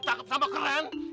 takut sama keren